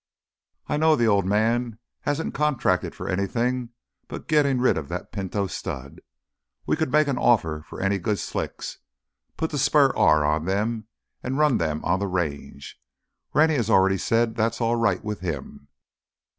I know the Old Man hasn't contracted for anything but gettin' rid of that Pinto stud. We could make an offer for any good slicks—put the Spur R on them and run them in on the Range. Rennie has already said that's all right with him."